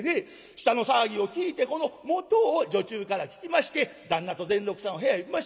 下の騒ぎを聞いてこの元を女中から聞きまして旦那と善六さんを部屋へ呼びまして。